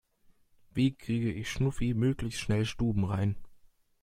Wie kriege ich Schnuffi möglichst schnell stubenrein?